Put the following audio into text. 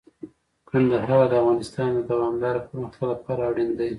کندهار د افغانستان د دوامداره پرمختګ لپاره اړین دی.